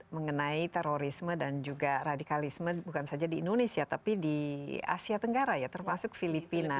mengenai terorisme dan juga radikalisme bukan saja di indonesia tapi di asia tenggara ya termasuk filipina